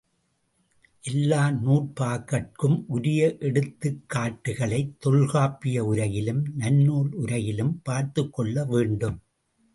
எல்லா நூற்பாக்கட்கும் உரிய எடுத்துக்காட்டுகளைத் தொல்காப்பிய உரையிலும், நன்னூல் உரையிலும் பார்த்துக்கொள்ள வேண்டும்.